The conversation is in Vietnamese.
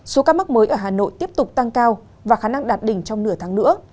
số ca mắc mới ở hà nội tiếp tục tăng cao và khả năng đạt đỉnh trong nửa tháng nữa